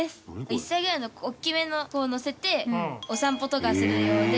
１歳ぐらいの大きめの子を乗せてお散歩とかする用で。